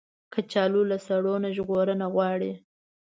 کچالو له سړو نه ژغورنه غواړي